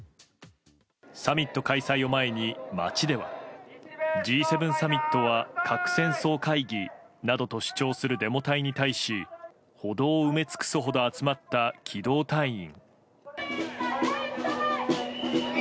サミット開催を前に街ではＧ７サミットは核戦争会議などと主張するデモ隊に対し、歩道を埋め尽くすほど集まった機動隊員。